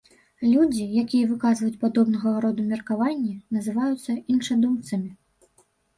Людзі, якія выказваюць падобнага роду меркаванні, называюцца іншадумцамі.